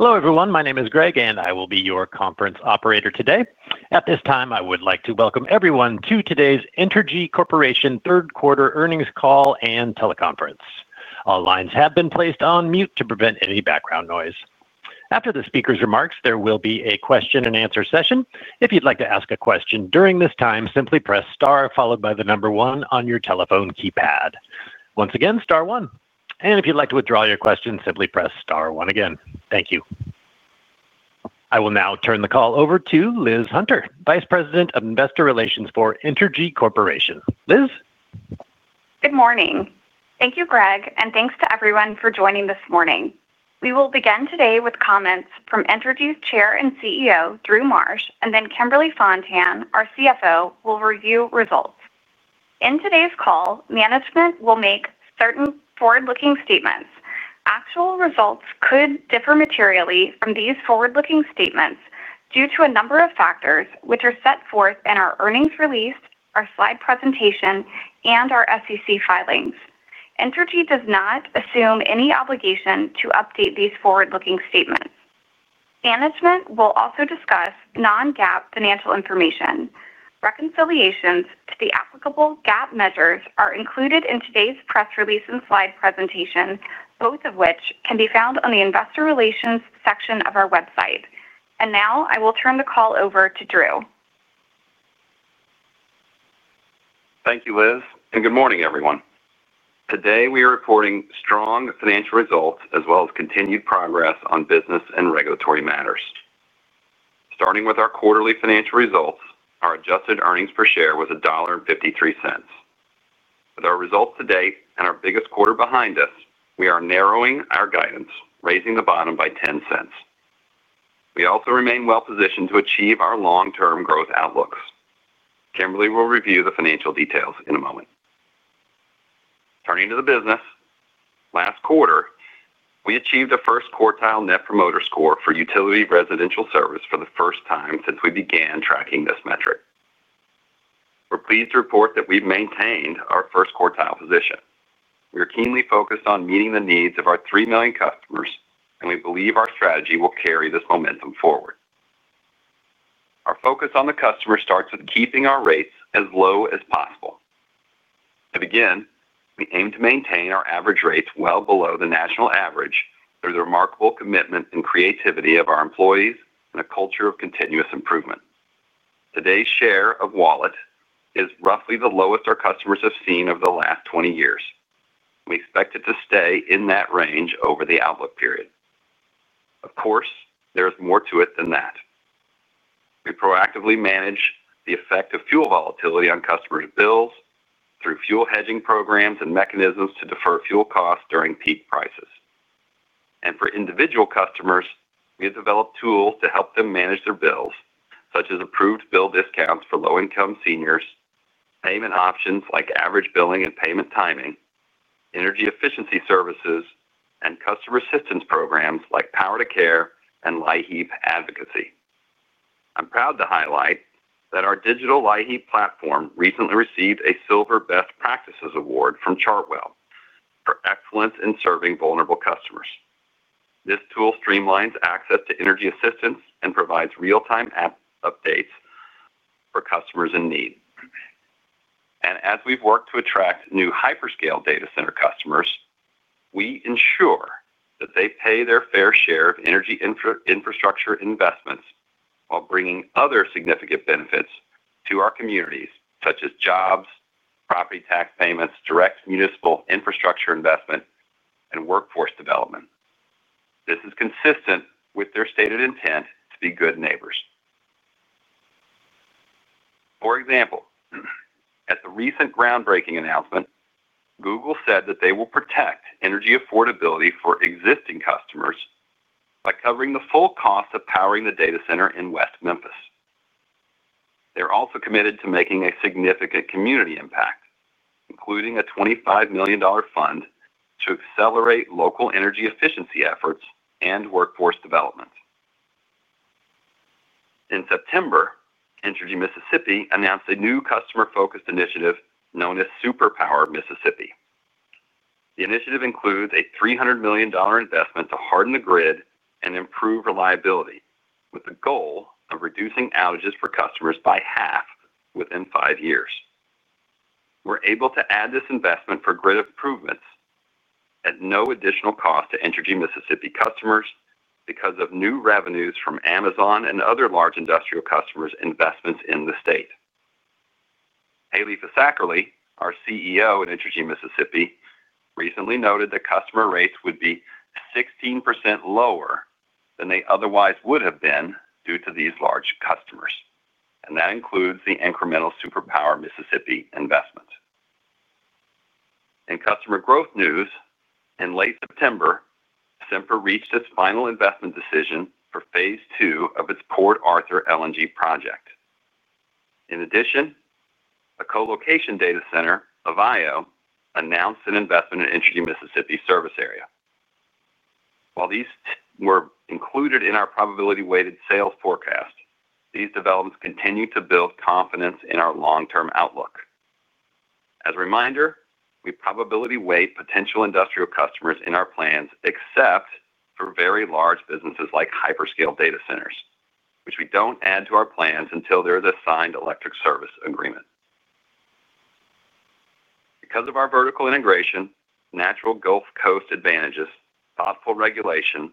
Hello, everyone. My name is Greg, and I will be your conference operator today. At this time, I would like to welcome everyone to today's Entergy Corporation third quarter earnings call and teleconference. All lines have been placed on mute to prevent any background noise. After the speaker's remarks, there will be a question and answer session. If you'd like to ask a question during this time, simply press star followed by the number one on your telephone keypad. Once again, star one. If you'd like to withdraw your question, simply press star one again. Thank you. I will now turn the call over to Liz Hunter, Vice President of Investor Relations for Entergy Corporation. Liz? Good morning. Thank you, Greg, and thanks to everyone for joining this morning. We will begin today with comments from Entergy's Chair and CEO, Drew Marsh, and then Kimberly Fontan, our CFO, will review results. In today's call, management will make certain forward-looking statements. Actual results could differ materially from these forward-looking statements due to a number of factors which are set forth in our earnings release, our slide presentation, and our SEC filings. Entergy does not assume any obligation to update these forward-looking statements. Management will also discuss non-GAAP financial information. Reconciliations to the applicable GAAP measures are included in today's press release and slide presentation, both of which can be found on the Investor Relations section of our website. I will turn the call over to Drew. Thank you, Liz, and good morning, everyone. Today we are reporting strong financial results as well as continued progress on business and regulatory matters. Starting with our quarterly financial results, our adjusted earnings per share was $1.53. With our results to date and our biggest quarter behind us, we are narrowing our guidance, raising the bottom by $0.10. We also remain well-positioned to achieve our long-term growth outlooks. Kimberly will review the financial details in a moment. Turning to the business, last quarter, we achieved the first quartile net promoter score for utility residential service for the first time since we began tracking this metric. We're pleased to report that we've maintained our first quartile position. We are keenly focused on meeting the needs of our 3 million customers, and we believe our strategy will carry this momentum forward. Our focus on the customer starts with keeping our rates as low as possible. To begin, we aim to maintain our average rates well below the national average through the remarkable commitment and creativity of our employees and a culture of continuous improvement. Today's share of wallet is roughly the lowest our customers have seen over the last 20 years. We expect it to stay in that range over the outlook period. Of course, there's more to it than that. We proactively manage the effect of fuel volatility on customers' bills through fuel hedging programs and mechanisms to defer fuel costs during peak prices. For individual customers, we have developed tools to help them manage their bills, such as approved bill discounts for low-income seniors, payment options like average billing and payment timing, energy efficiency services, and customer assistance programs like Power to Care and LIHEAP Advocacy. I'm proud to highlight that our digital LIHEAP platform recently received a Silver Best Practices Award from Chartwell for excellence in serving vulnerable customers. This tool streamlines access to energy assistance and provides real-time app updates for customers in need. As we've worked to attract new hyperscale data center customers, we ensure that they pay their fair share of energy infrastructure investments while bringing other significant benefits to our communities, such as jobs, property tax payments, direct municipal infrastructure investment, and workforce development. This is consistent with their stated intent to be good neighbors. For example, at the recent groundbreaking announcement, Google said that they will protect energy affordability for existing customers by covering the full cost of powering the data center in West Memphis. They're also committed to making a significant community impact, including a $25 million fund to accelerate local energy efficiency efforts and workforce development. In September, Entergy Mississippi announced a new customer-focused initiative known as Superpower Mississippi. The initiative includes a $300 million investment to harden the grid and improve reliability with the goal of reducing outages for customers by half within five years. We're able to add this investment for grid improvements at no additional cost to Entergy Mississippi customers because of new revenues from Amazon and other large industrial customers' investments in the state. Haley Fisackerly, our CEO at Entergy Mississippi, recently noted that customer rates would be 16% lower than they otherwise would have been due to these large customers. That includes the incremental Superpower Mississippi investment. In customer growth news, in late September, Simper reached its final investment decision for phase two of its Port Arthur LNG project. In addition, a colocation data center, AVAIO, announced an investment in Entergy Mississippi's service area. While these were included in our probability-weighted sales forecast, these developments continue to build confidence in our long-term outlook. As a reminder, we probability weight potential industrial customers in our plans except for very large businesses like hyperscale data centers, which we don't add to our plans until there is a signed electric service agreement. Because of our vertical integration, natural Gulf Coast advantages, thoughtful regulation,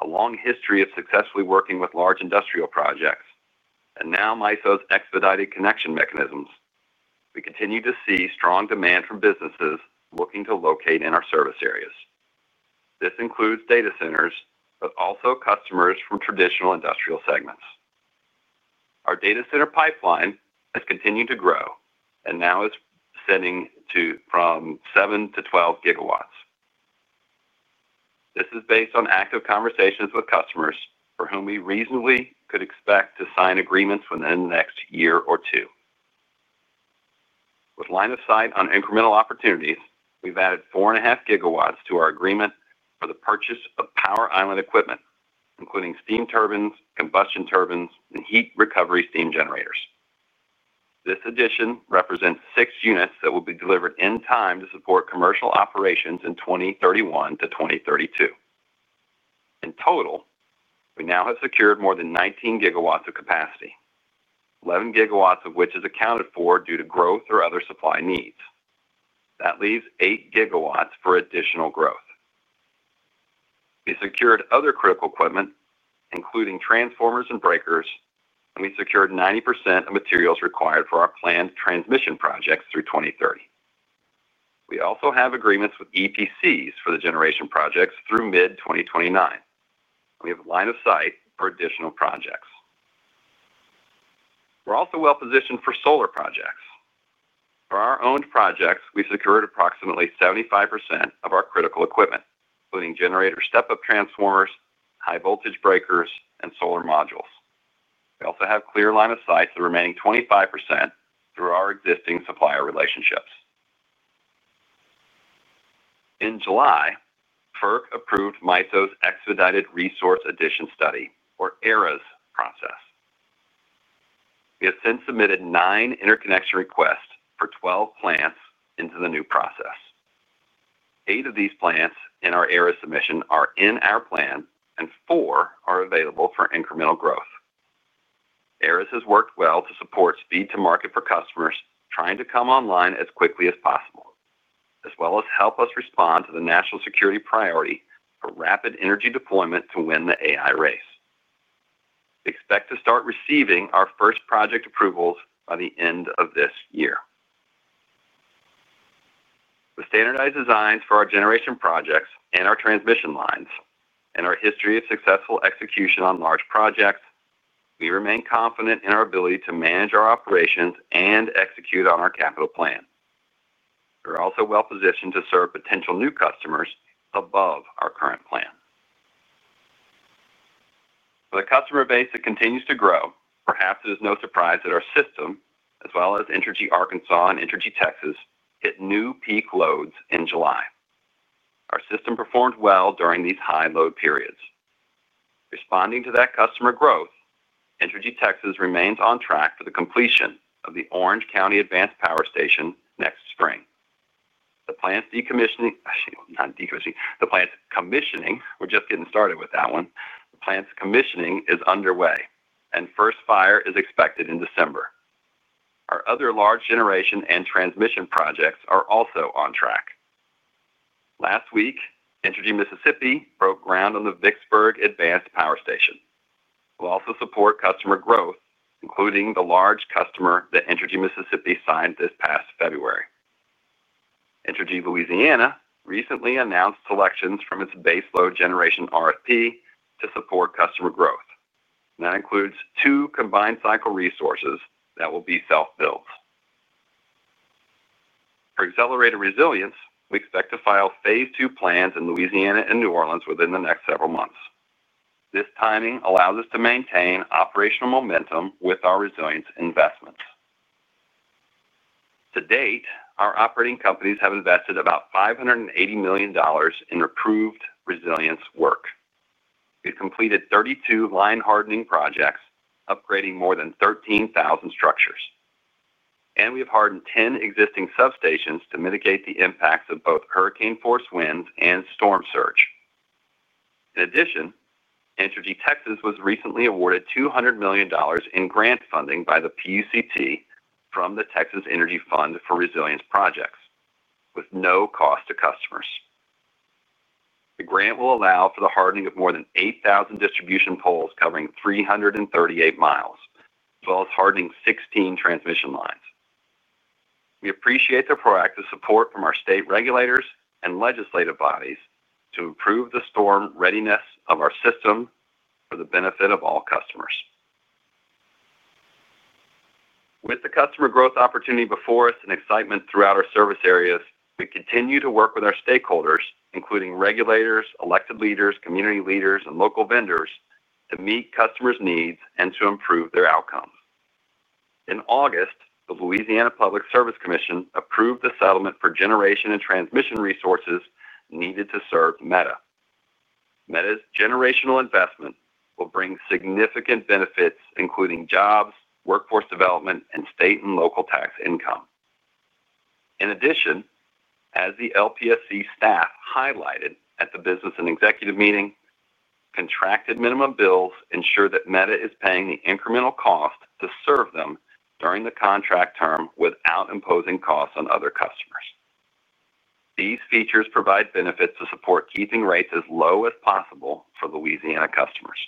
a long history of successfully working with large industrial projects, and now MISO's expedited connection mechanisms, we continue to see strong demand from businesses looking to locate in our service areas. This includes data centers, but also customers from traditional industrial segments. Our data center pipeline has continued to grow and now is sitting from 7-12 GW. This is based on active conversations with customers for whom we reasonably could expect to sign agreements within the next year or two. With line of sight on incremental opportunities, we've added 4.5 GW to our agreement for the purchase of power island equipment, including steam turbines, combustion turbines, and heat recovery steam generators. This addition represents six units that will be delivered in time to support commercial operations in 2031 to 2032. In total, we now have secured more than 19 GW of capacity, 11 GW of which is accounted for due to growth or other supply needs. That leaves 8 GW for additional growth. We secured other critical equipment, including transformers and breakers, and we secured 90% of materials required for our planned transmission projects through 2030. We also have agreements with EPCs for the generation projects through mid-2029, and we have line of sight for additional projects. We're also well-positioned for solar projects. For our owned projects, we've secured approximately 75% of our critical equipment, including generator step-up transformers, high-voltage breakers, and solar modules. We also have clear line of sight for the remaining 25% through our existing supplier relationships. In July, FERC approved MISO's expedited resource addition study, or ERAS, process. We have since submitted nine interconnection requests for 12 plants into the new process. Eight of these plants in our ERAS submission are in our plan, and four are available for incremental growth. ERAS has worked well to support speed to market for customers trying to come online as quickly as possible, as well as help us respond to the national security priority for rapid energy deployment to win the AI race. We expect to start receiving our first project approvals by the end of this year. With standardized designs for our generation projects and our transmission lines and our history of successful execution on large projects, we remain confident in our ability to manage our operations and execute on our capital plan. We're also well-positioned to serve potential new customers above our current plan. For the customer base that continues to grow, perhaps it is no surprise that our system, as well as Entergy Arkansas and Entergy Texas, hit new peak loads in July. Our system performed well during these high load periods. Responding to that customer growth, Entergy Texas remains on track for the completion of the Orange County Advanced Power Station next spring. The plant's decommissioning—I shouldn't—not decommissioning. The plant's commissioning is underway, and first fire is expected in December. Our other large generation and transmission projects are also on track. Last week, Entergy Mississippi broke ground on the Vicksburg Advanced Power Station. We'll also support customer growth, including the large customer that Entergy Mississippi signed this past February. Entergy Louisiana recently announced selections from its base load generation RFP to support customer growth. That includes two combined cycle resources that will be self-built. For accelerated resilience, we expect to file phase two plans in Louisiana and New Orleans within the next several months. This timing allows us to maintain operational momentum with our resilience investments. To date, our operating companies have invested about $580 million in approved resilience work. We've completed 32 line hardening projects, upgrading more than 13,000 structures. We have hardened 10 existing substations to mitigate the impacts of both hurricane-force winds and storm surge. In addition, Entergy Texas was recently awarded $200 million in grant funding by the PUCT from the Texas Energy Fund for Resilience Projects with no cost to customers. The grant will allow for the hardening of more than 8,000 distribution poles covering 338 mi, as well as hardening 16 transmission lines. We appreciate the proactive support from our state regulators and legislative bodies to improve the storm readiness of our system for the benefit of all customers. With the customer growth opportunity before us and excitement throughout our service areas, we continue to work with our stakeholders, including regulators, elected leaders, community leaders, and local vendors to meet customers' needs and to improve their outcomes. In August, the Louisiana Public Service Commission approved the settlement for generation and transmission resources needed to serve Meta. Meta's generational investment will bring significant benefits, including jobs, workforce development, and state and local tax income. As the LPSC staff highlighted at the business and executive meeting, contracted minimum bills ensure that Meta is paying the incremental cost to serve them during the contract term without imposing costs on other customers. These features provide benefits to support keeping rates as low as possible for Louisiana customers.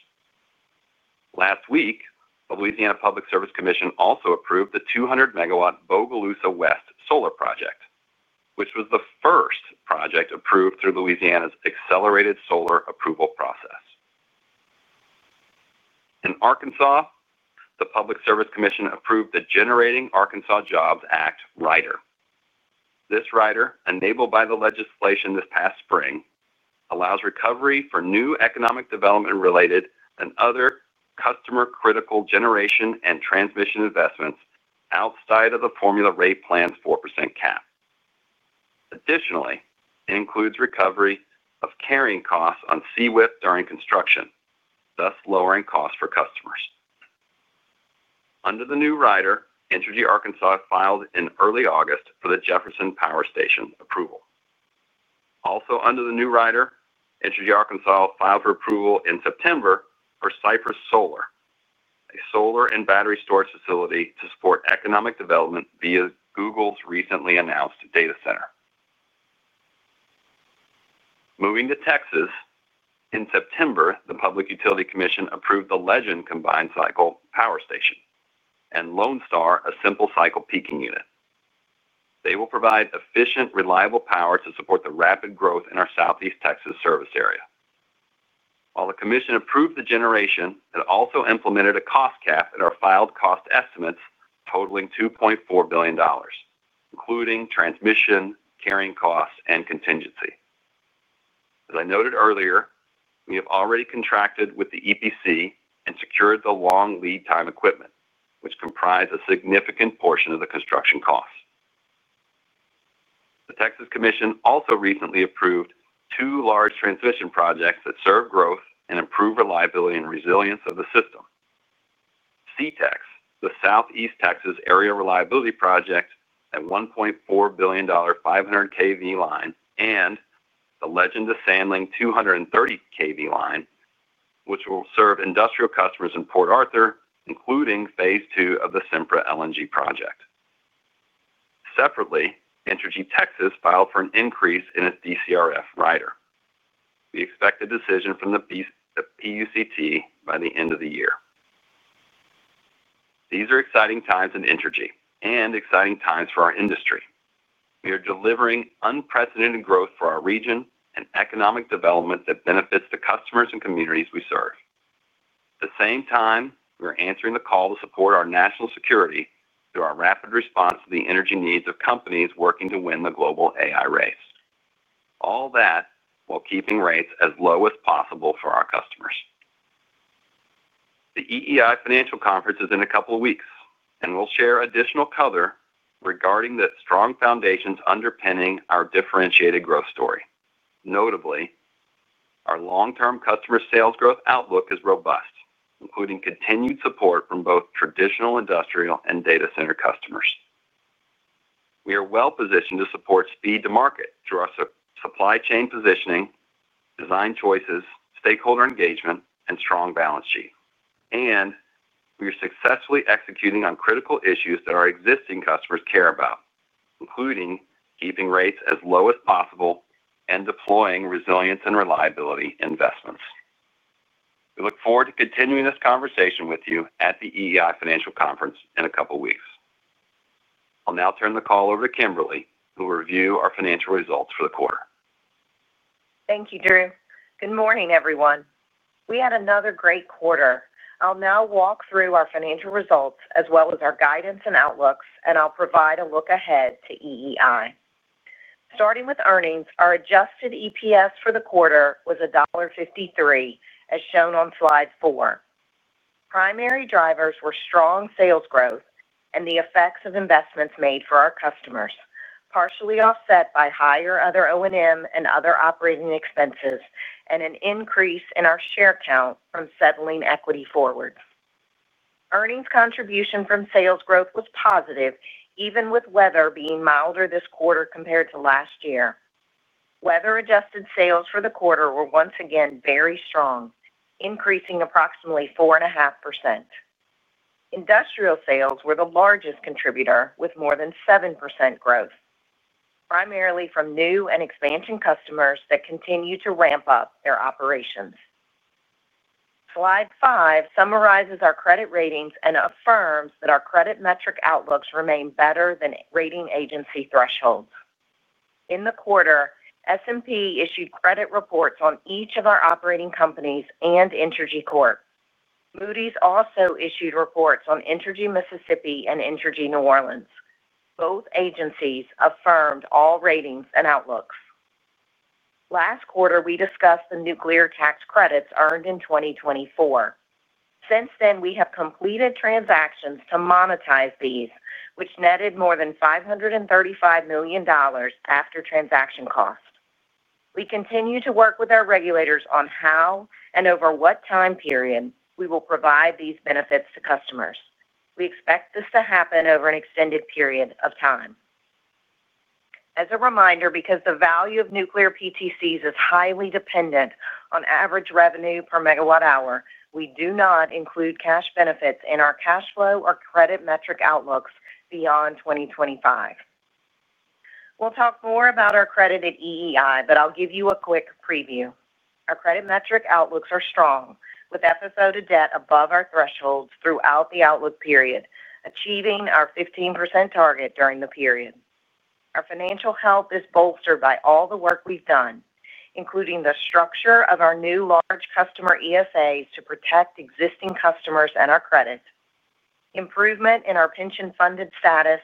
Last week, the Louisiana Public Service Commission also approved the 200-MW Bogalusa West solar project, which was the first project approved through Louisiana's accelerated solar approval process. In Arkansas, the Public Service Commission approved the Generating Arkansas Jobs Act rider. This rider, enabled by the legislation this past spring, allows recovery for new economic development-related and other customer-critical generation and transmission investments outside of the formula rate plan's 4% cap. Additionally, it includes recovery of carrying costs on CWIP during construction, thus lowering costs for customers. Under the new rider, Entergy Arkansas filed in early August for the Jefferson Power Station approval. Also, under the new rider, Entergy Arkansas filed for approval in September for Cypress Solar, a solar and battery storage facility to support economic development via Google's recently announced data center. Moving to Texas, in September, the Public Utility Commission approved the Legend Combined Cycle Power Station and Lone Star, a simple cycle peaking unit. They will provide efficient, reliable power to support the rapid growth in our Southeast Texas service area. While the commission approved the generation, it also implemented a cost cap in our filed cost estimates totaling $2.4 billion, including transmission, carrying costs, and contingency. As I noted earlier, we have already contracted with the EPC and secured the long lead time equipment, which comprised a significant portion of the construction costs. The Texas Commission also recently approved two large transmission projects that serve growth and improve reliability and resilience of the system. CTEX, the Southeast Texas Area Reliability Project, a $1.4 billion 500 kV line, and the Legend DeSandling 230 kV line, which will serve industrial customers in Port Arthur, including phase two of the Sempra LNG project. Separately, Entergy Texas filed for an increase in its DCRF rider. We expect a decision from the PUCT by the end of the year. These are exciting times in Entergy and exciting times for our industry. We are delivering unprecedented growth for our region and economic development that benefits the customers and communities we serve. At the same time, we're answering the call to support our national security through our rapid response to the energy needs of companies working to win the global AI race. All that while keeping rates as low as possible for our customers. The EEI Financial Conference is in a couple of weeks, and we'll share additional cover regarding the strong foundations underpinning our differentiated growth story. Notably, our long-term customer sales growth outlook is robust, including continued support from both traditional industrial and data center customers. We are well-positioned to support speed to market through our supply chain positioning, design choices, stakeholder engagement, and strong balance sheet. We are successfully executing on critical issues that our existing customers care about, including keeping rates as low as possible and deploying resilience and reliability investments. We look forward to continuing this conversation with you at the EEI Financial Conference in a couple of weeks. I'll now turn the call over to Kimberly, who will review our financial results for the quarter. Thank you, Drew. Good morning, everyone. We had another great quarter. I'll now walk through our financial results as well as our guidance and outlooks, and I'll provide a look ahead to EEI. Starting with earnings, our adjusted EPS for the quarter was $1.53, as shown on slide four. Primary drivers were strong sales growth and the effects of investments made for our customers, partially offset by higher other O&M and other operating expenses, and an increase in our share count from settling equity forward. Earnings contribution from sales growth was positive, even with weather being milder this quarter compared to last year. Weather-adjusted sales for the quarter were once again very strong, increasing approximately 4.5%. Industrial sales were the largest contributor with more than 7% growth, primarily from new and expansion customers that continue to ramp up their operations. Slide five summarizes our credit ratings and affirms that our credit metric outlooks remain better than rating agency thresholds. In the quarter, S&P issued credit reports on each of our operating companies and Entergy Corporation. Moody's also issued reports on Entergy Mississippi and Entergy New Orleans. Both agencies affirmed all ratings and outlooks. Last quarter, we discussed the nuclear production tax credits earned in 2024. Since then, we have completed transactions to monetize these, which netted more than $535 million after transaction cost. We continue to work with our regulators on how and over what time period we will provide these benefits to customers. We expect this to happen over an extended period of time. As a reminder, because the value of nuclear PTCs is highly dependent on average revenue per MW hour, we do not include cash benefits in our cash flow or credit metric outlooks beyond 2025. We'll talk more about our credit at EEI, but I'll give you a quick preview. Our credit metric outlooks are strong, with episode of debt above our thresholds throughout the outlook period, achieving our 15% target during the period. Our financial health is bolstered by all the work we've done, including the structure of our new large customer ESAs to protect existing customers and our credit, improvement in our pension-funded status,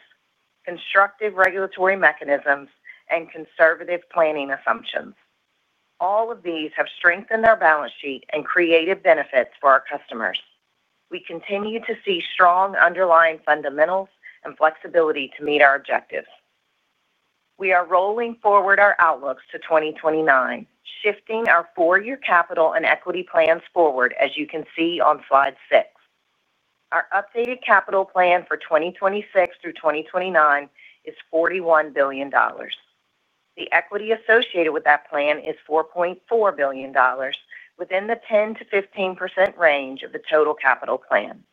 constructive regulatory mechanisms, and conservative planning assumptions. All of these have strengthened our balance sheet and created benefits for our customers. We continue to see strong underlying fundamentals and flexibility to meet our objectives. We are rolling forward our outlooks to 2029, shifting our four-year capital and equity plans forward, as you can see on slide six. Our updated capital plan for 2026 through 2029 is $41 billion. The equity associated with that plan is $4.4 billion, within the 10%-15% range of the total capital plan.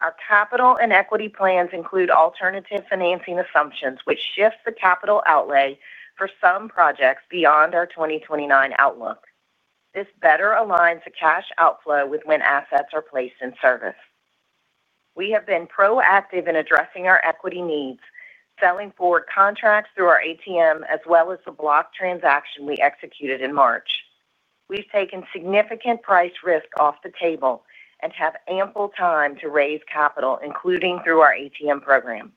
Our capital and equity plans include alternative financing assumptions, which shift the capital outlay for some projects beyond our 2029 outlook. This better aligns the cash outflow with when assets are placed in service. We have been proactive in addressing our equity needs, selling forward contracts through our ATM, as well as the block transaction we executed in March. We have taken significant price risk off the table and have ample time to raise capital, including through our ATM program.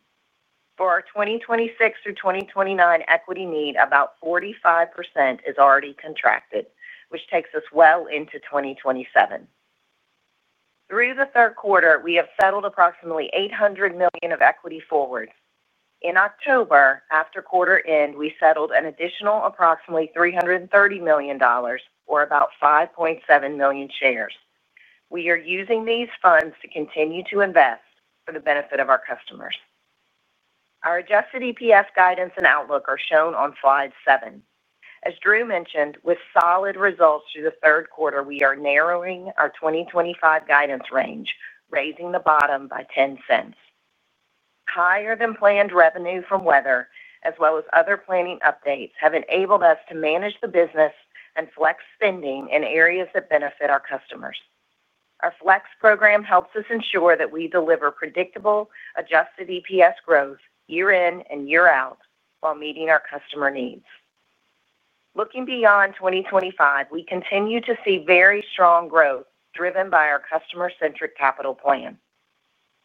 For our 2026 through 2029 equity need, about 45% is already contracted, which takes us well into 2027. Through the third quarter, we have settled approximately $800 million of equity forwards. In October, after quarter end, we settled an additional approximately $330 million, or about 5.7 million shares. We are using these funds to continue to invest for the benefit of our customers. Our adjusted EPS guidance and outlook are shown on slide seven. As Drew mentioned, with solid results through the third quarter, we are narrowing our 2025 guidance range, raising the bottom by $0.10. Higher than planned revenue from weather, as well as other planning updates, have enabled us to manage the business and flex spending in areas that benefit our customers. Our flex program helps us ensure that we deliver predictable adjusted EPS growth year in and year out while meeting our customer needs. Looking beyond 2025, we continue to see very strong growth driven by our customer-centric capital plan.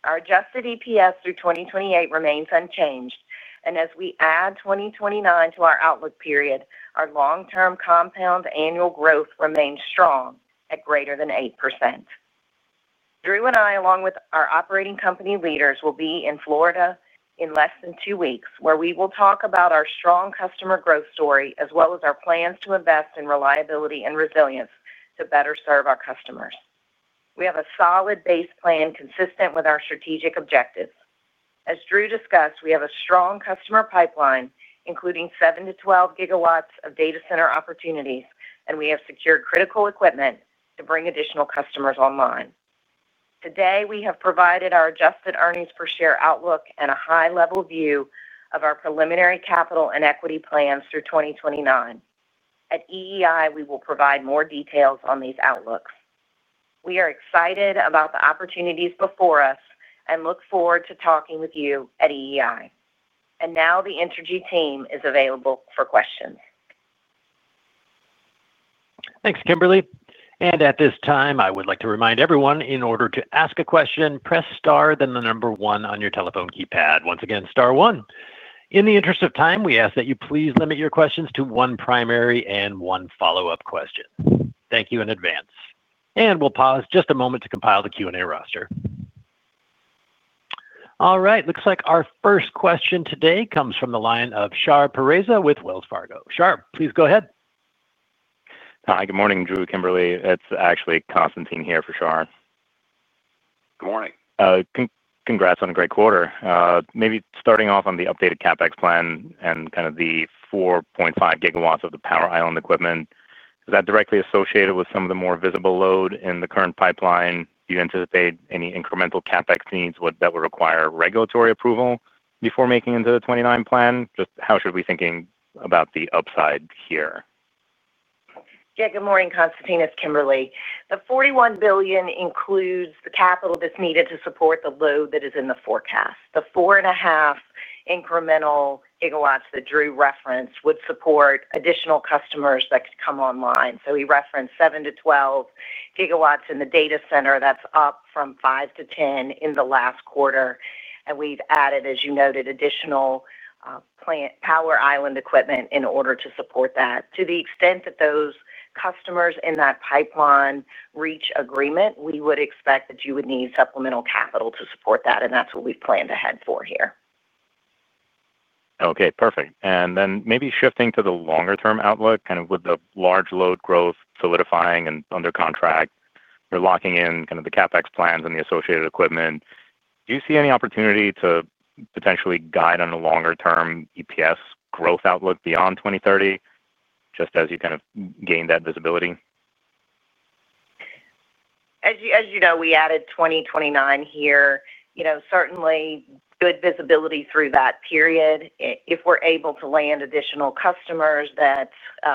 Our adjusted EPS through 2028 remains unchanged, and as we add 2029 to our outlook period, our long-term compound annual growth remains strong at greater than 8%. Drew and I, along with our operating company leaders, will be in Florida in less than two weeks, where we will talk about our strong customer growth story, as well as our plans to invest in reliability and resilience to better serve our customers. We have a solid base plan consistent with our strategic objectives. As Drew discussed, we have a strong customer pipeline, including 7-12 GW of data center opportunities, and we have secured critical equipment to bring additional customers online. Today, we have provided our adjusted earnings per share outlook and a high-level view of our preliminary capital and equity plans through 2029. At EEI, we will provide more details on these outlooks. We are excited about the opportunities before us and look forward to talking with you at EEI. The Entergy team is available for questions. Thanks, Kimberly. At this time, I would like to remind everyone, in order to ask a question, press star, then the number one on your telephone keypad. Once again, star one. In the interest of time, we ask that you please limit your questions to one primary and one follow-up question. Thank you in advance. We'll pause just a moment to compile the Q&A roster. All right, looks like our first question today comes from the line of Shar Pereza with Wells Fargo. Shar, please go ahead. Hi, good morning, Drew, Kimberly. It's actually Constantine here for Shar. Good morning. Congrats on a great quarter. Maybe starting off on the updated CapEx plan and kind of the 4.5 GW of the power island equipment, is that directly associated with some of the more visible load in the current pipeline? Do you anticipate any incremental CapEx needs that would require regulatory approval before making it into the 2029 plan? Just how should we be thinking about the upside here? Yeah, good morning, Constantine. It's Kimberly. The $41 billion includes the capital that's needed to support the load that is in the forecast. The 4.5 incremental GW that Drew referenced would support additional customers that could come online. He referenced 7-12 GW in the data center. That's up from 5 to 10 in the last quarter. We've added, as you noted, additional plant power island equipment in order to support that. To the extent that those customers in that pipeline reach agreement, we would expect that you would need supplemental capital to support that, and that's what we've planned ahead for here. Okay, perfect. Maybe shifting to the longer-term outlook, with the large load growth solidifying and under contract, we're locking in the CapEx plans and the associated equipment. Do you see any opportunity to potentially guide on a longer-term EPS growth outlook beyond 2030, just as you gain that visibility? As you know, we added 2029 here. Certainly good visibility through that period. If we're able to land additional customers, that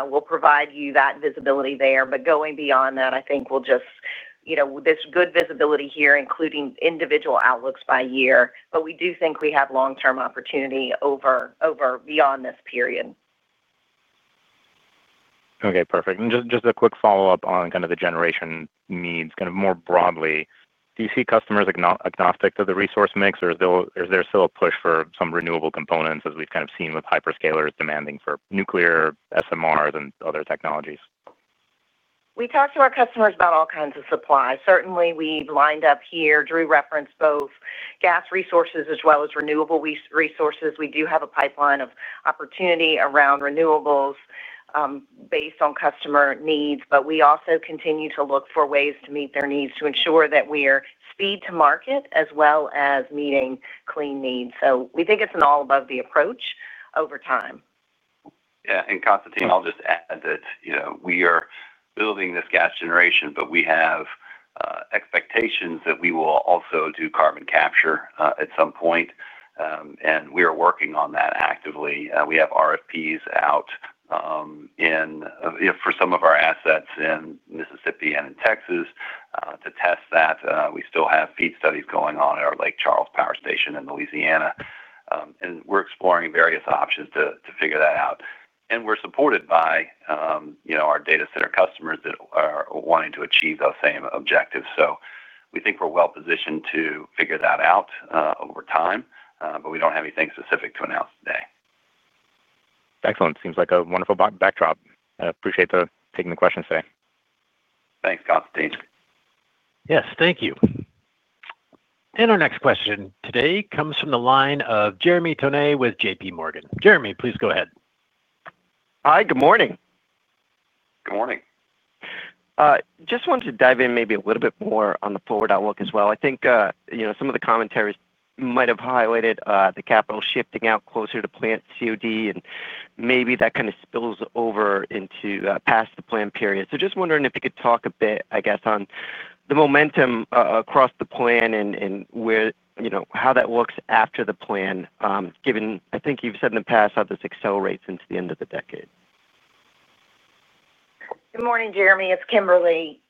will provide you that visibility there. Going beyond that, I think we'll just, you know, this good visibility here, including individual outlooks by year. We do think we have long-term opportunity over beyond this period. Okay, perfect. Just a quick follow-up on kind of the generation needs, kind of more broadly, do you see customers agnostic to the resource mix, or is there still a push for some renewable components, as we've kind of seen with hyperscale data centers demanding for nuclear, SMRs, and other technologies? We talk to our customers about all kinds of supplies. Certainly, we've lined up here. Drew referenced both gas resources as well as renewable resources. We do have a pipeline of opportunity around renewables, based on customer needs, but we also continue to look for ways to meet their needs to ensure that we are speed to market as well as meeting clean needs. We think it's an all-of-the-above approach over time. Yeah, and Constantine, I'll just add that we are building this gas generation, but we have expectations that we will also do carbon capture at some point. We are working on that actively. We have RFPs out for some of our assets in Mississippi and in Texas to test that. We still have feed studies going on at our Lake Charles Power Station in Louisiana, and we're exploring various options to figure that out. We're supported by our data center customers that are wanting to achieve those same objectives. We think we're well-positioned to figure that out over time, but we don't have anything specific to announce today. Excellent. Seems like a wonderful backdrop. I appreciate the questions today. Thanks, Constantine. Yes, thank you. Our next question today comes from the line of Jeremy Tonet with JPMorgan. Jeremy, please go ahead. Hi, good morning. Good morning. I just wanted to dive in maybe a little bit more on the forward outlook as well. I think some of the commentaries might have highlighted the capital shifting out closer to plant COD, and maybe that kind of spills over into past the plan period. Just wondering if you could talk a bit, I guess, on the momentum across the plan and where, you know, how that looks after the plan, given I think you've said in the past how this accelerates into the end of the decade. Good morning, Jeremy. It's Kimberly.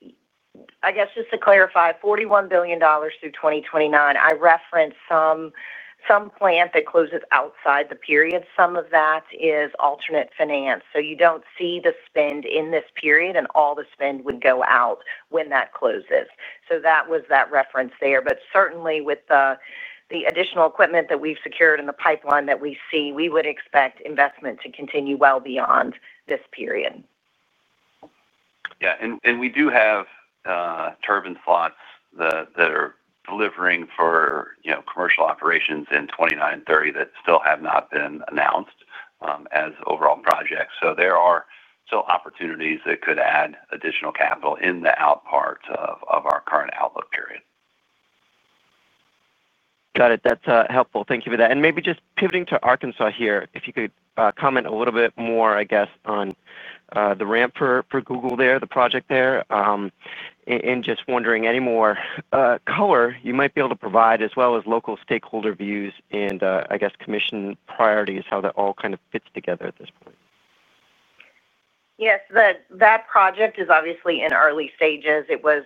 I guess just to clarify, $41 billion through 2029. I referenced some plan that closes outside the period. Some of that is alternate finance. You don't see the spend in this period, and all the spend would go out when that closes. That was that reference there. Certainly, with the additional equipment that we've secured in the pipeline that we see, we would expect investment to continue well beyond this period. Yeah, we do have turbine slots that are delivering for, you know, commercial operations in 2029 and 2030 that still have not been announced as overall projects. There are still opportunities that could add additional capital in the out part of our current outlook period. Got it. That's helpful. Thank you for that. Maybe just pivoting to Arkansas here, if you could comment a little bit more, I guess, on the ramp for Google there, the project there. Just wondering any more color you might be able to provide, as well as local stakeholder views in, I guess, commission priorities, how that all kind of fits together at this point. Yes, that project is obviously in early stages. It was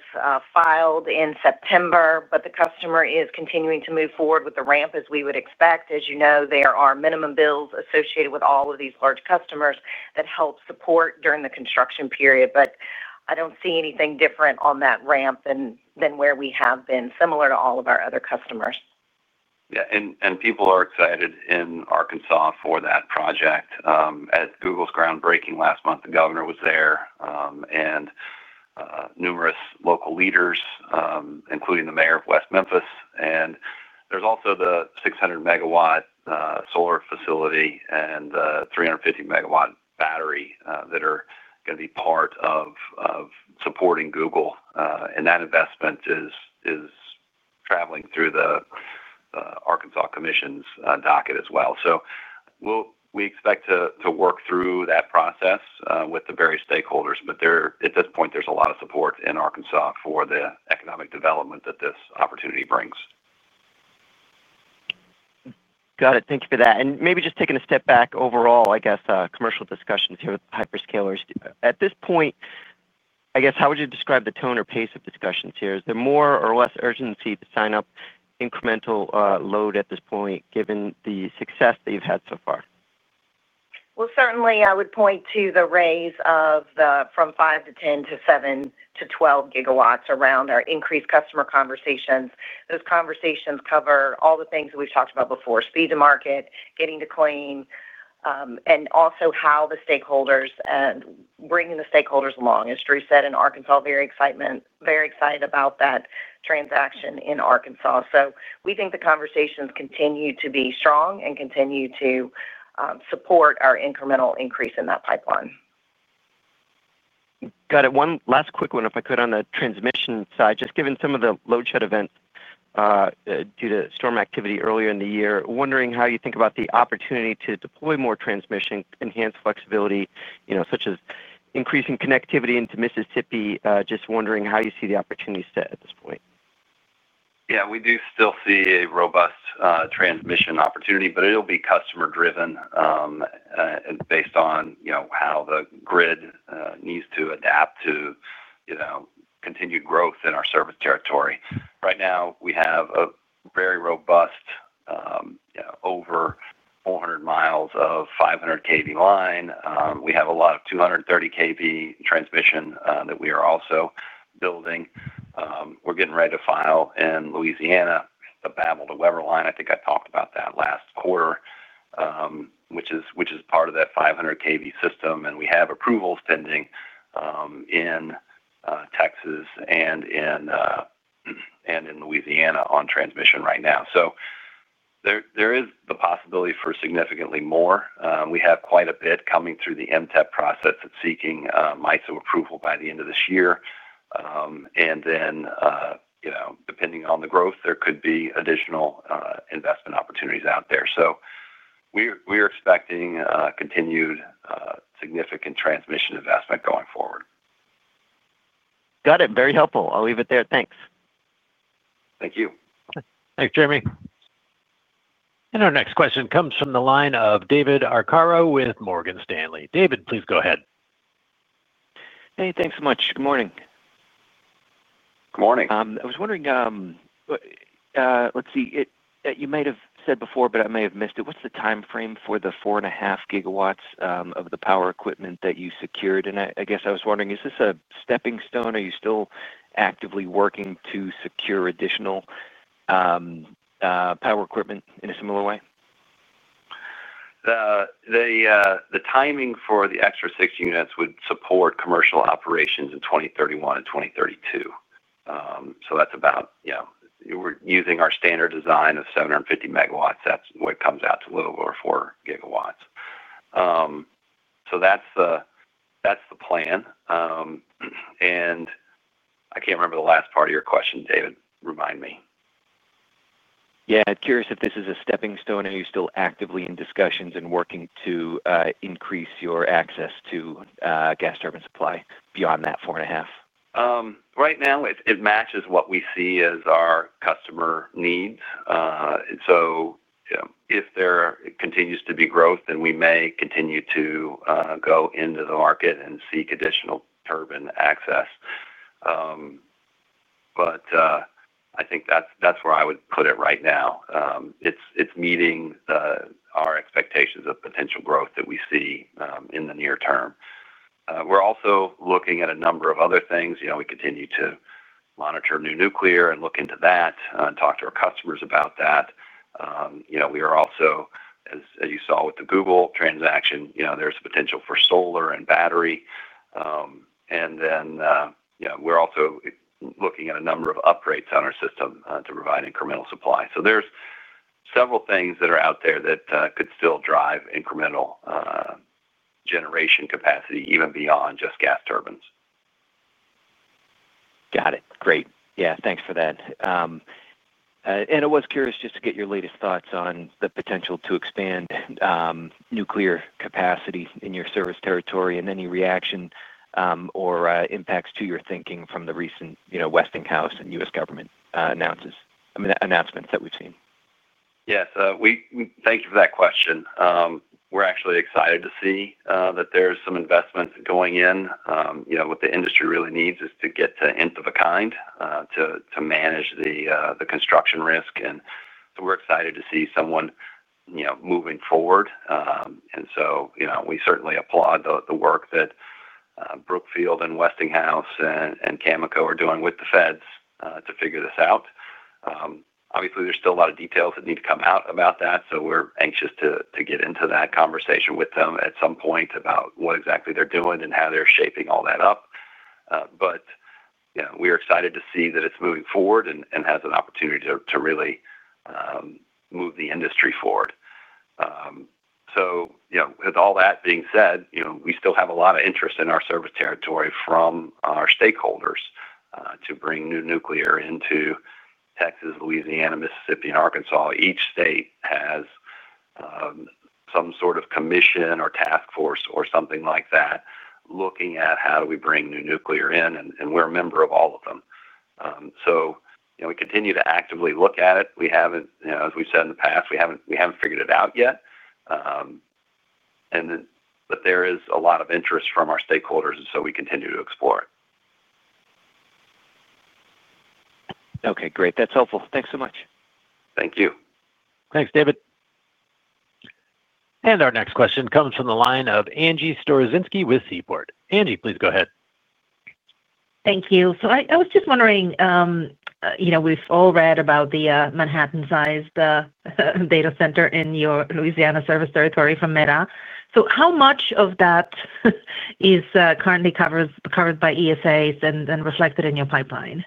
filed in September, but the customer is continuing to move forward with the ramp as we would expect. As you know, there are minimum bills associated with all of these large customers that help support during the construction period. I don't see anything different on that ramp than where we have been, similar to all of our other customers. Yeah, people are excited in Arkansas for that project. At Google's groundbreaking last month, the governor was there, and numerous local leaders, including the mayor of West Memphis. There's also the 600-MW solar facility and the 350-MW battery that are going to be part of supporting Google. That investment is traveling through the Arkansas Commission's docket as well. We expect to work through that process with the various stakeholders. At this point, there's a lot of support in Arkansas for the economic development that this opportunity brings. Got it. Thank you for that. Maybe just taking a step back overall, I guess, commercial discussions here with hyperscalers. At this point, I guess, how would you describe the tone or pace of discussions here? Is there more or less urgency to sign up incremental load at this point, given the success that you've had so far? I would point to the raise from 5-10 GW to 7-12 GW around our increased customer conversations. Those conversations cover all the things that we've talked about before: speed to market, getting to claim, and also how the stakeholders and bringing the stakeholders along. As Drew said, in Arkansas, very excited about that transaction in Arkansas. We think the conversations continue to be strong and continue to support our incremental increase in that pipeline. Got it. One last quick one, if I could, on the transmission side, just given some of the load shut events due to storm activity earlier in the year, wondering how you think about the opportunity to deploy more transmission, enhance flexibility, you know, such as increasing connectivity into Mississippi. Just wondering how you see the opportunity set at this point. Yeah, we do still see a robust transmission opportunity, but it'll be customer-driven and based on, you know, how the grid needs to adapt to continued growth in our service territory. Right now, we have a very robust, you know, over 400 mi of 500 kV line. We have a lot of 230 kV transmission that we are also building. We're getting ready to file in Louisiana the Babel to Weber line. I think I talked about that last quarter, which is part of that 500 kV system. We have approvals pending in Texas and in Louisiana on transmission right now. There is the possibility for significantly more. We have quite a bit coming through the MTEP process that's seeking MISO approval by the end of this year, and then, you know, depending on the growth, there could be additional investment opportunities out there. We're expecting continued significant transmission investment going forward. Got it. Very helpful. I'll leave it there. Thanks. Thank you. Thanks, Jeremy. Our next question comes from the line of David Arcaro with Morgan Stanley. David, please go ahead. Hey, thanks so much. Good morning. Good morning. I was wondering, you might have said before, but I may have missed it. What's the timeframe for the 4.5 GW of the power equipment that you secured? I guess I was wondering, is this a stepping stone? Are you still actively working to secure additional power equipment in a similar way? The timing for the extra six units would support commercial operations in 2031 and 2032. That's about, you know, we're using our standard design of 750 MW. That comes out to a little over 4 GW. That's the plan. I can't remember the last part of your question, David. Remind me. I'm curious if this is a stepping stone. Are you still actively in discussions and working to increase your access to gas turbine supply beyond that 4.5? Right now, it matches what we see as our customer needs. If there continues to be growth, then we may continue to go into the market and seek additional turbine access. I think that's where I would put it right now. It's meeting our expectations of potential growth that we see in the near term. We're also looking at a number of other things. We continue to monitor new nuclear and look into that, and talk to our customers about that. We are also, as you saw with the Google transaction, there's the potential for solar and battery. We're also looking at a number of upgrades on our system to provide incremental supply. There are several things that are out there that could still drive incremental generation capacity even beyond just gas turbines. Got it. Great. Yeah, thanks for that. I was curious just to get your latest thoughts on the potential to expand nuclear capacity in your service territory and any reaction or impacts to your thinking from the recent Westinghouse and U.S. government announcement that we've seen. Yes, we thank you for that question. We're actually excited to see that there's some investments going in. You know, what the industry really needs is to get to the end of a kind, to manage the construction risk. We're excited to see someone moving forward. We certainly applaud the work that Brookfield and Westinghouse and Cameco are doing with the feds to figure this out. Obviously, there's still a lot of details that need to come out about that. We're anxious to get into that conversation with them at some point about what exactly they're doing and how they're shaping all that up. We're excited to see that it's moving forward and has an opportunity to really move the industry forward. With all that being said, we still have a lot of interest in our service territory from our stakeholders to bring new nuclear into Texas, Louisiana, Mississippi, and Arkansas. Each state has some sort of commission or task force or something like that looking at how do we bring new nuclear in, and we're a member of all of them. We continue to actively look at it. As we've said in the past, we haven't figured it out yet. There is a lot of interest from our stakeholders, and we continue to explore it. Okay, great. That's helpful. Thanks so much. Thank you. Thanks, David. Our next question comes from the line of Angie Storozynski with Seaport. Angie, please go ahead. Thank you. I was just wondering, you know, we've all read about the Manhattan-sized data center in your Louisiana service territory from META. How much of that is currently covered by ESAs and then reflected in your pipeline?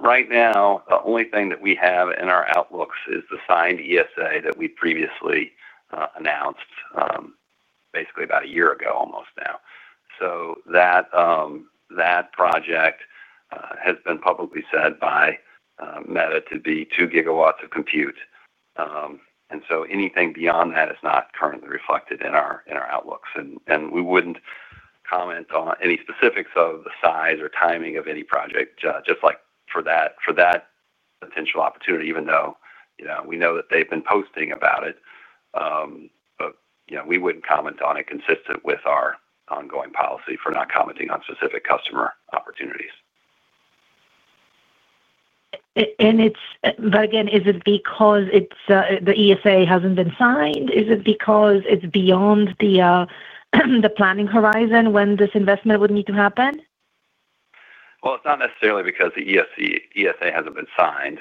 Right now, the only thing that we have in our outlooks is the signed ESA that we previously announced, basically about a year ago almost now. That project has been publicly said by META to be 2 GW of compute, and anything beyond that is not currently reflected in our outlooks. We wouldn't comment on any specifics of the size or timing of any project, just like for that potential opportunity, even though, you know, we know that they've been posting about it. You know, we wouldn't comment on it consistent with our ongoing policy for not commenting on specific customer opportunities. Is it because the ESA hasn't been signed? Is it because it's beyond the planning horizon when this investment would need to happen? It is not necessarily because the ESA hasn't been signed.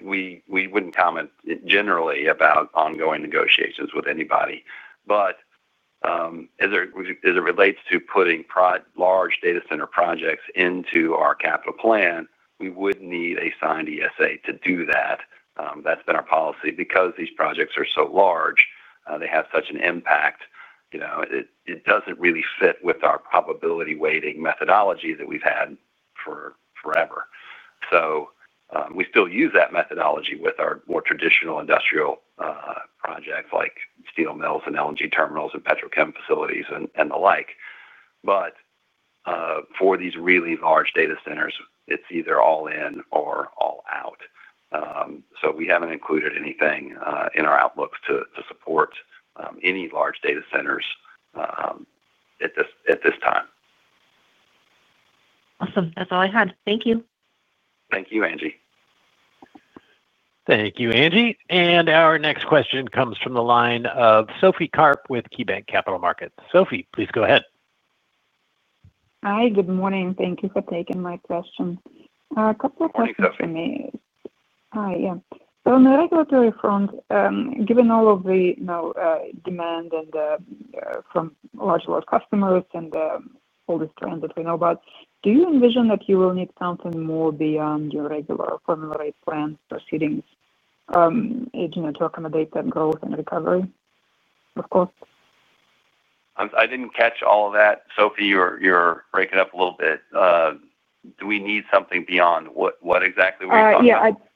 We wouldn't comment generally about ongoing negotiations with anybody. As it relates to putting large data center projects into our capital plan, we would need a signed ESA to do that. That's been our policy. Because these projects are so large, they have such an impact, it doesn't really fit with our probability weighting methodology that we've had forever. We still use that methodology with our more traditional industrial projects like steel mills and LNG terminals and petrochem facilities and the like. For these really large data centers, it's either all in or all out. We haven't included anything in our outlooks to support any large data centers at this time. Awesome. That's all I had. Thank you. Thank you, Angie. Thank you, Angie. Our next question comes from the line of Sophie Karp with KeyBanc Capital Markets. Sophie, please go ahead. Hi, good morning. Thank you for taking my question. Thank you, Sophie. A couple of questions for me. Hi, yeah. On the regulatory front, given all of the demand from large customers and all these trends that we know about, do you envision that you will need something more beyond your regular formula rate plan proceedings to accommodate that growth and recovery, of course? I didn't catch all of that. Sophie, you're breaking up a little bit. Do we need something beyond what exactly were you talking about?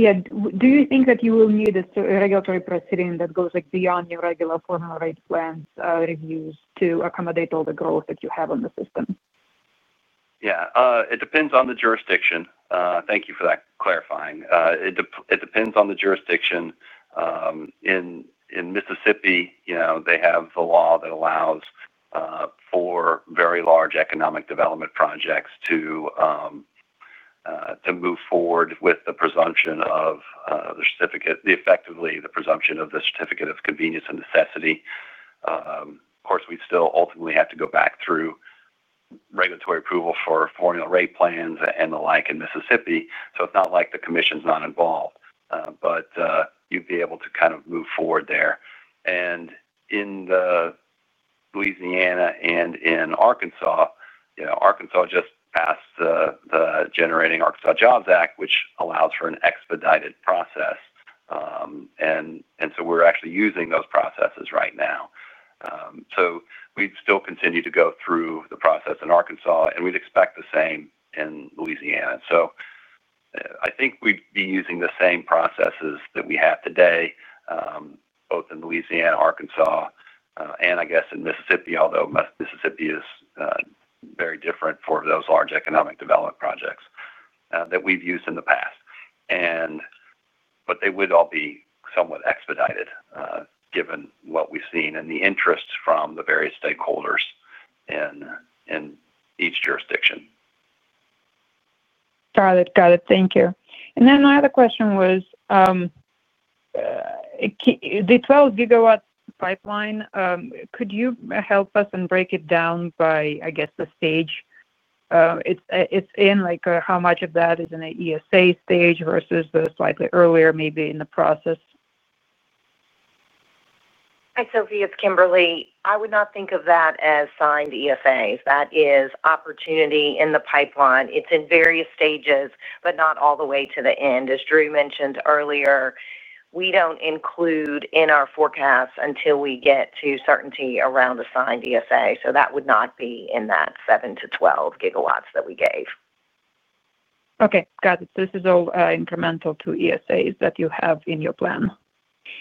Do you think that you will need a regulatory proceeding that goes beyond your regular formula rate plans, reviews to accommodate all the growth that you have on the system? Yeah, it depends on the jurisdiction. Thank you for that clarifying. It depends on the jurisdiction. In Mississippi, you know, they have the law that allows for very large economic development projects to move forward with the presumption of, effectively the presumption of the certificate of convenience and necessity. Of course, we'd still ultimately have to go back through regulatory approval for formula rate plans and the like in Mississippi. It's not like the commission's not involved, but you'd be able to kind of move forward there. In Louisiana and in Arkansas, you know, Arkansas just passed the Generating Arkansas Jobs Act, which allows for an expedited process, and we're actually using those processes right now. We'd still continue to go through the process in Arkansas, and we'd expect the same in Louisiana. I think we'd be using the same processes that we have today, both in Louisiana, Arkansas, and I guess in Mississippi, although Mississippi is very different for those large economic development projects that we've used in the past. They would all be somewhat expedited, given what we've seen and the interest from the various stakeholders in each jurisdiction. Got it. Thank you. My other question was, the 12-GW pipeline, could you help us and break it down by the stage it's in, like how much of that is in an ESA stage versus the slightly earlier, maybe in the process? Hi, Sophie. It's Kimberly. I would not think of that as signed ESAs. That is opportunity in the pipeline. It's in various stages, but not all the way to the end. As Drew mentioned earlier, we don't include in our forecasts until we get to certainty around a signed ESA. That would not be in that 7-12 GW that we gave. Got it. This is all incremental to ESAs that you have in your plan.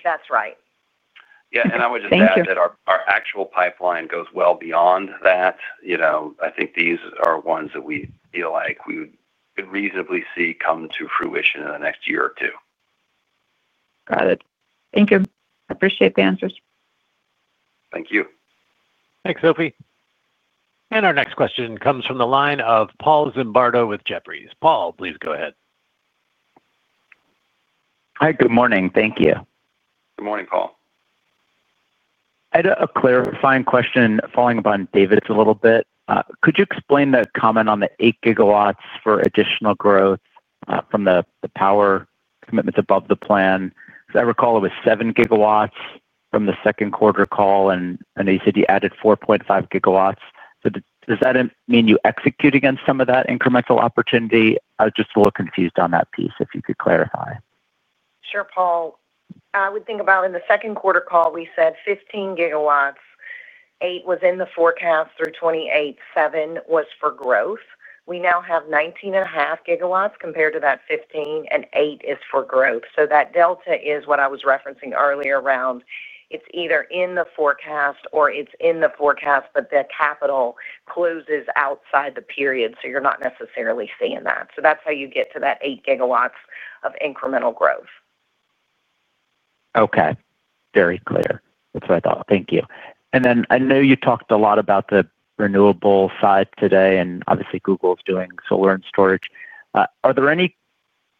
That's right. I would just add that our actual pipeline goes well beyond that. I think these are ones that we feel like we would reasonably see come to fruition in the next year or two. Got it. Thank you. I appreciate the answers. Thank you. Thanks, Sophie. Our next question comes from the line of Paul Zimbardo with Jefferies. Paul, please go ahead. Hi, good morning. Thank you. Good morning, Paul. I had a clarifying question following up on David's a little bit. Could you explain the comment on the 8 GW for additional growth from the power commitments above the plan? I recall it was 7 GW from the second quarter call, and I know you said you added 4.5 GW. Does that mean you execute against some of that incremental opportunity? I was just a little confused on that piece if you could clarify. Sure, Paul. I would think about in the second quarter call, we said 15 GW. 8 was in the forecast through 2028. 7 was for growth. We now have 19.5 GW compared to that 15, and 8 is for growth. That delta is what I was referencing earlier. It's either in the forecast or it's in the forecast, but the capital closes outside the period. You're not necessarily seeing that. That's how you get to that 8 GW of incremental growth. Okay. Very clear. That's what I thought. Thank you. I know you talked a lot about the renewable side today, and obviously, Google is doing solar and storage. Are there any,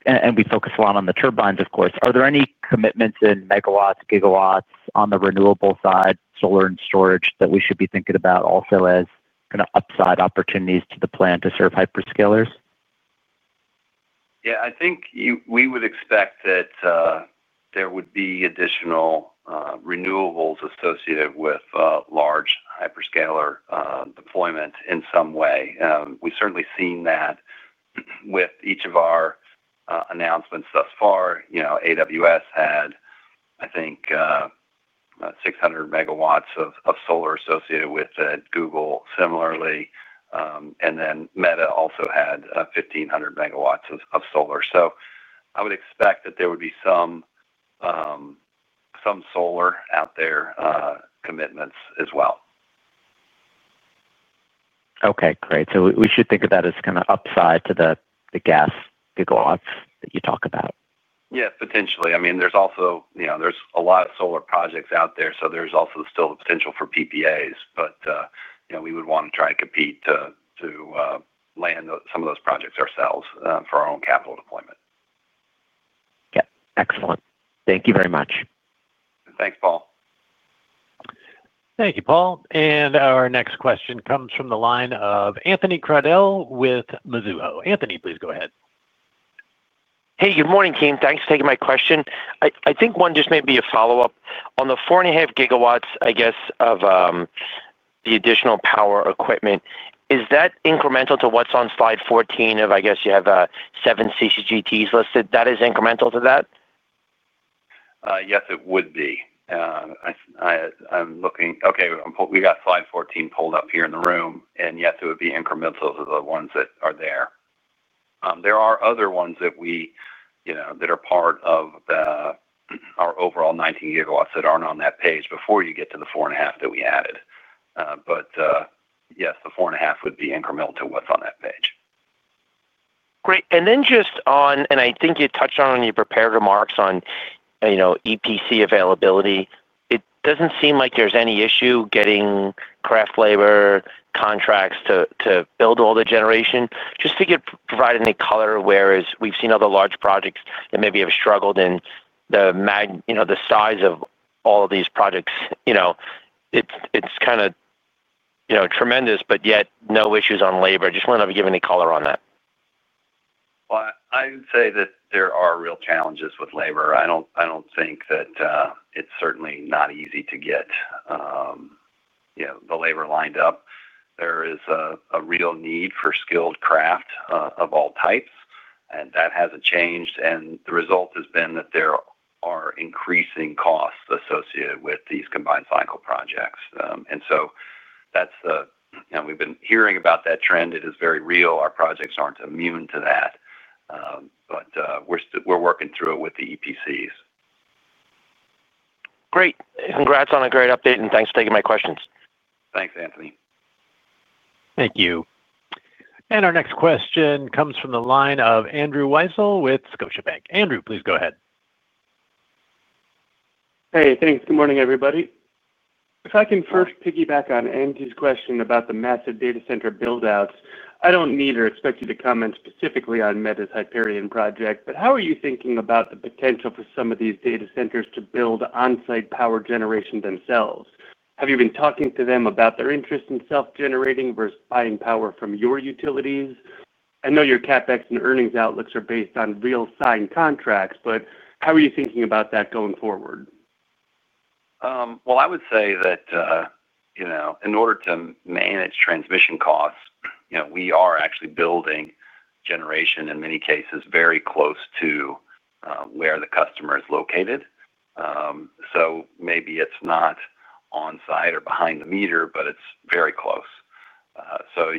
and we focus a lot on the turbines, of course, are there any commitments in MW, GW on the renewable side, solar and storage that we should be thinking about also as kind of upside opportunities to the plan to serve hyperscalers? Yeah, I think we would expect that there would be additional renewables associated with large hyperscale deployment in some way. We've certainly seen that with each of our announcements thus far. You know, AWS had, I think, 600 MW of solar associated with Google similarly, and then Meta also had 1,500 MW of solar. I would expect that there would be some solar out there, commitments as well. Okay, great. We should think of that as kind of upside to the gas GW that you talk about. Yeah, potentially. I mean, there's also a lot of solar projects out there. There's also still the potential for PPAs. We would want to try to compete to land some of those projects ourselves for our own capital deployment. Yeah, excellent. Thank you very much. Thanks, Paul. Thank you, Paul. Our next question comes from the line of Anthony Crowdell with Mizuho. Anthony, please go ahead. Hey, good morning, team. Thanks for taking my question. I think one just may be a follow-up. On the 4.5 GW, I guess, of the additional power equipment, is that incremental to what's on slide 14 of, I guess, you have 7 CCGTs listed? That is incremental to that? Yes, it would be. I'm looking. Okay, we've got slide 14 pulled up here in the room. Yes, it would be incremental to the ones that are there. There are other ones that are part of our overall 19 GW that aren't on that page before you get to the 4.5 that we added. Yes, the 4.5 would be incremental to what's on that page. Great. Just on, I think you touched on when you prepared remarks on EPC availability, it doesn't seem like there's any issue getting craft labor contracts to build all the generation. Just provide any color, whereas we've seen other large projects that maybe have struggled in the size of all of these projects. It's kind of tremendous, but yet no issues on labor. I just want to know if you give any color on that. There are real challenges with labor. I don't think that, it's certainly not easy to get, you know, the labor lined up. There is a real need for skilled craft, of all types, and that hasn't changed. The result has been that there are increasing costs associated with these combined cycle projects. We've been hearing about that trend. It is very real. Our projects aren't immune to that. We're working through it with the EPCs. Great. Congrats on a great update, and thanks for taking my questions. Thanks, Anthony. Thank you. Our next question comes from the line of Andrew Weisel with Scotiabank. Andrew, please go ahead. Hey, thanks. Good morning, everybody. If I can first piggyback on Angie's question about the massive data center buildouts, I don't need or expect you to comment specifically on META's Hyperion project, but how are you thinking about the potential for some of these data centers to build onsite power generation themselves? Have you been talking to them about their interest in self-generating versus buying power from your utilities? I know your CapEx and earnings outlooks are based on real signed contracts, but how are you thinking about that going forward? In order to manage transmission costs, we are actually building generation in many cases very close to where the customer is located. Maybe it's not onsite or behind the meter, but it's very close.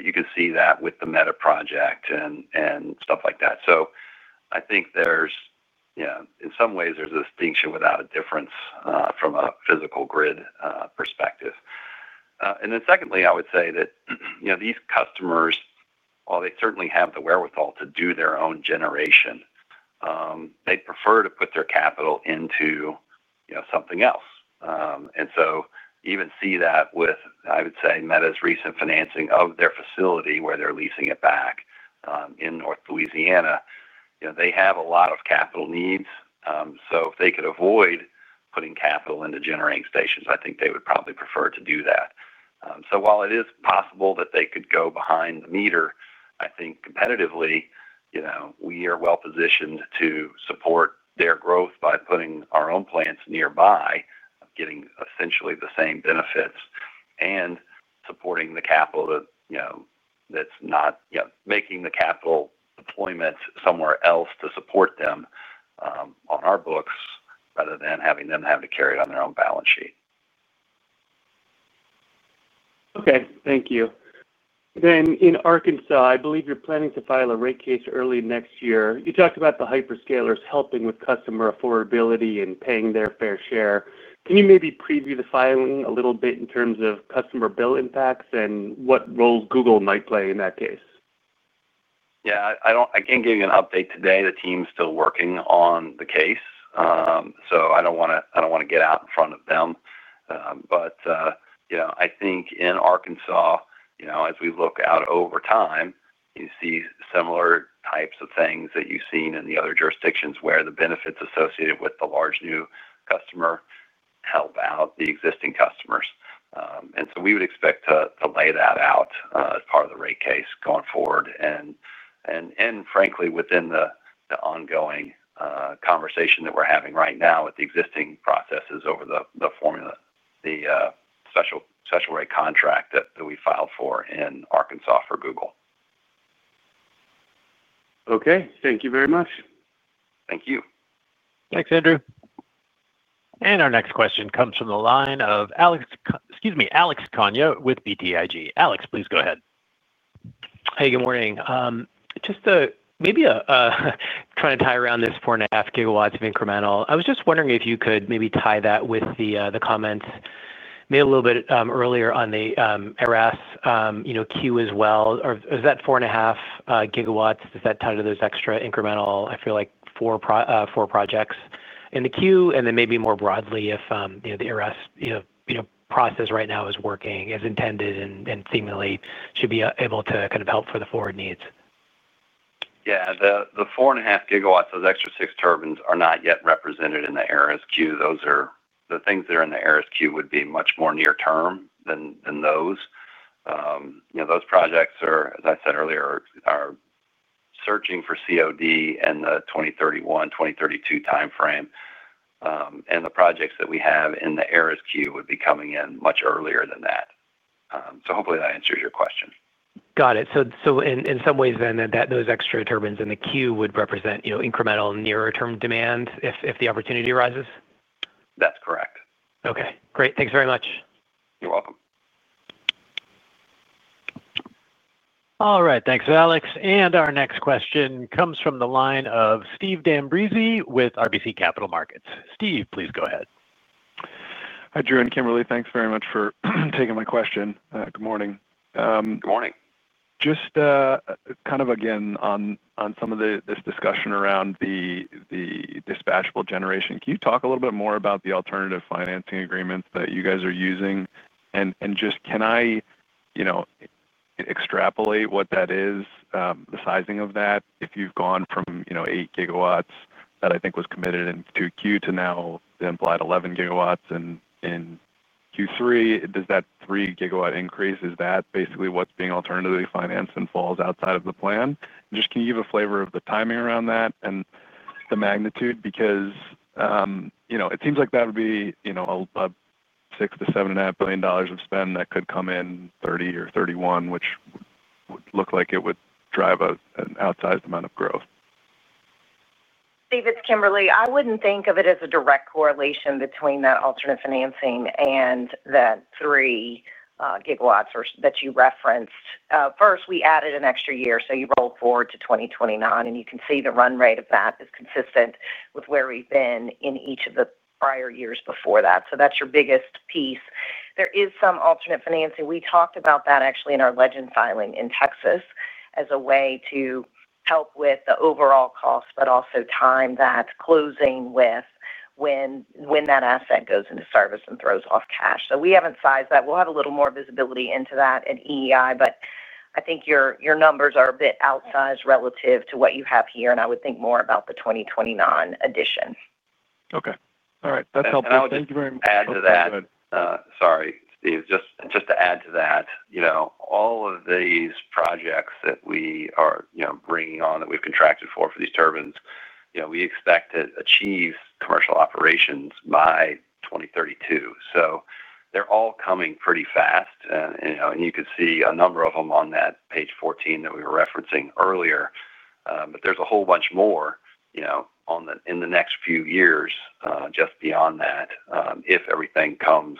You can see that with the META project and stuff like that. I think there's, in some ways, a distinction without a difference from a physical grid perspective. Secondly, I would say that these customers, while they certainly have the wherewithal to do their own generation, they'd prefer to put their capital into something else. You even see that with, I would say, META's recent financing of their facility where they're leasing it back in North Louisiana. They have a lot of capital needs. If they could avoid putting capital into generating stations, I think they would probably prefer to do that. While it is possible that they could go behind the meter, I think competitively we are well-positioned to support their growth by putting our own plants nearby, getting essentially the same benefits, and supporting the capital that's not making the capital deployment somewhere else to support them on our books rather than having them have to carry it on their own balance sheet. Okay, thank you. In Arkansas, I believe you're planning to file a rate case early next year. You talked about the hyperscalers helping with customer affordability and paying their fair share. Can you maybe preview the filing a little bit in terms of customer bill impacts and what roles Google might play in that case? Yeah, I can't give you an update today. The team's still working on the case, so I don't want to get out in front of them. You know, I think in Arkansas, as we look out over time, you see similar types of things that you've seen in the other jurisdictions where the benefits associated with the large new customer help out the existing customers. We would expect to lay that out as part of the rate case going forward, and frankly, within the ongoing conversation that we're having right now with the existing processes over the formula, the special rate contract that we filed for in Arkansas for Google. Okay, thank you very much. Thank you. Thanks, Andrew. Our next question comes from the line of Alex Kania with BTIG. Alex, please go ahead. Hey, good morning. Just maybe trying to tie around this 4.5 GW of incremental. I was just wondering if you could maybe tie that with the comments made a little bit earlier on the ARAS queue as well. Or is that 4.5 GW? Does that tie to those extra incremental, I feel like, four projects in the queue? Maybe more broadly, if the ARAS process right now is working as intended and seemingly should be able to kind of help for the forward needs. Yeah, the 4.5 GW, those extra six turbines are not yet represented in the ARAS queue. Those are the things that are in the ARAS queue would be much more near-term than those. Those projects are, as I said earlier, searching for COD in the 2031, 2032 timeframe, and the projects that we have in the ARAS queue would be coming in much earlier than that. Hopefully that answers your question. Got it. In some ways then, those extra turbines in the queue would represent incremental nearer-term demand if the opportunity arises? That's correct. Okay, great. Thanks very much. You're welcome. All right, thanks, Alex. Our next question comes from the line of Steve D'Ambrisi with RBC Capital Markets. Steve, please go ahead. Hi, Drew and Kimberly, thanks very much for taking my question. Good morning. Good morning. Just, kind of again on some of this discussion around the dispatchable generation. Can you talk a little bit more about the alternative financing agreements that you guys are using? Can I extrapolate what that is, the sizing of that? If you've gone from 8 GW that I think was committed in Q2 to now the implied 11 GW in Q3, does that 3 GW increase, is that basically what's being alternatively financed and falls outside of the plan? Can you give a flavor of the timing around that and the magnitude? It seems like that would be a $6 billion-$7.5 billion spend that could come in 2030 or 2031, which would look like it would drive an outsized amount of growth. Steve, it's Kimberly. I wouldn't think of it as a direct correlation between that alternate financing and the 3 GW solar project you referenced. First, we added an extra year. You roll forward to 2029, and you can see the run rate of that is consistent with where we've been in each of the prior years before that. That's your biggest piece. There is some alternate financing. We talked about that actually in our legend filing in Texas as a way to help with the overall cost, but also time that's closing with when that asset goes into service and throws off cash. We haven't sized that. We'll have a little more visibility into that in EEI, but I think your numbers are a bit outsized relative to what you have here, and I would think more about the 2029 addition. Okay. All right. That's helpful. Thank you very much. Add to that, sorry, Steve, just to add to that, all of these projects that we are bringing on that we've contracted for for these turbines, we expect to achieve commercial operations by 2032. They're all coming pretty fast, and you could see a number of them on that page 14 that we were referencing earlier. There's a whole bunch more in the next few years just beyond that, if everything comes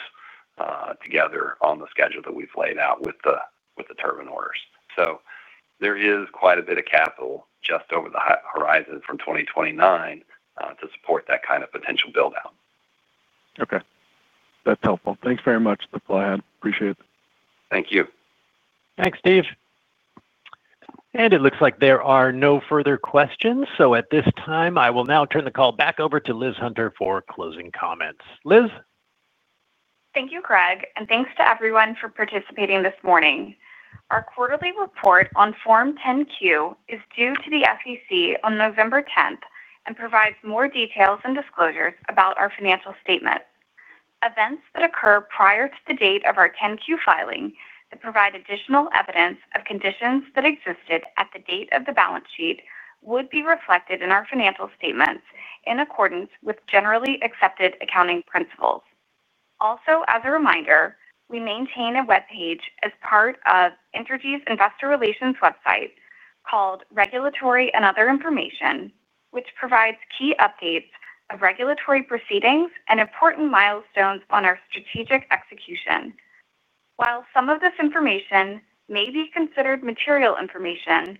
together on the schedule that we've laid out with the turbine orders. There is quite a bit of capital just over the horizon from 2029 to support that kind of potential buildout. Okay. That's helpful. Thanks very much, appreciate it. Thank you. Thanks, Steve. It looks like there are no further questions. At this time, I will now turn the call back over to Liz Hunter for closing comments. Liz. Thank you, Greg, and thanks to everyone for participating this morning. Our quarterly report on Form 10-Q is due to the SEC on November 10, 2023, and provides more details and disclosures about our financial statement. Events that occur prior to the date of our 10-Q filing that provide additional evidence of conditions that existed at the date of the balance sheet would be reflected in our financial statements in accordance with generally accepted accounting principles. Also, as a reminder, we maintain a webpage as part of Entergy's investor relations website called Regulatory and Other Information, which provides key updates of regulatory proceedings and important mitones on our strategic execution. While some of this information may be considered material information,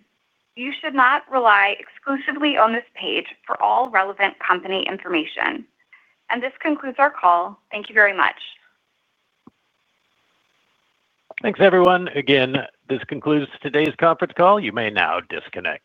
you should not rely exclusively on this page for all relevant company information. This concludes our call. Thank you very much. Thanks, everyone. Again, this concludes today's conference call. You may now disconnect.